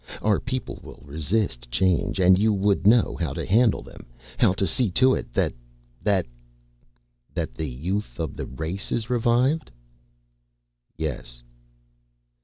Our people will resist change and you would know how to handle them, how to see to it that that " "That the youth of the race is revived?" "Yes."